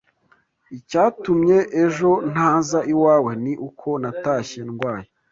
Icyatumye ejo ntaza iwawe ni uko natashye ndwaye